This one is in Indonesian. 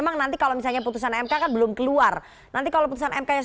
jadi kalau kita menggunakan